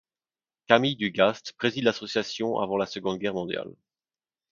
Camille du Gast préside l'association avant la Seconde Guerre mondiale.